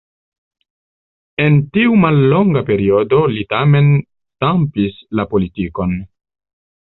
En tiu mallonga periodo li tamen stampis la politikon.